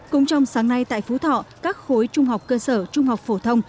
cũng trong sáng nay tại phú thọ các khối trung học cơ sở trung học phổ thông